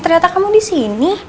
ternyata kamu disini